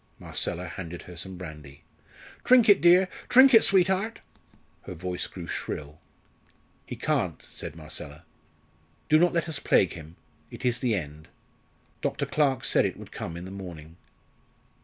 Marcella handed her some brandy. "Drink it, dear; drink it, sweetheart!" Her voice grew shrill. "He can't," said Marcella. "Do not let us plague him; it is the end. Dr. Clarke said it would come in the morning."